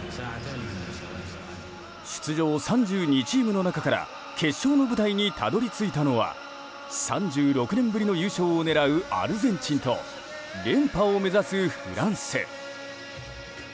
出場３２チームの中から決勝の舞台にたどり着いたのは３６年ぶりの優勝を狙うアルゼンチンと連覇を目指すフランス。